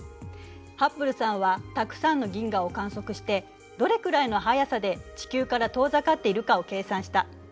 ハッブルさんはたくさんの銀河を観測してどれくらいの速さで地球から遠ざかっているかを計算した。